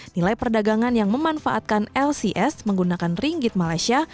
nilai perdagangan yang memanfaatkan lcs menggunakan ringgit malaysia